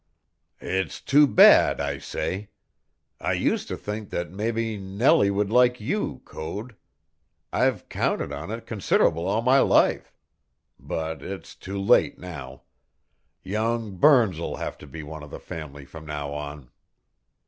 "It's too bad, I say. I used to think that mebbe Nellie would like you, Code. I've counted on it consid'able all my life. But it's too late now. Young Burns'll have to be one of the family from now on."